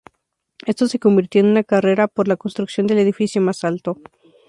Esto se convirtió en una carrera por la construcción del edificio más alto.